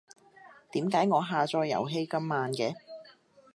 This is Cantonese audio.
點解我下載遊戲咁慢嘅？